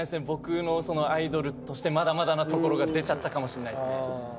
僕のアイドルとしてまだまだなところが出ちゃったかもしんないっすね。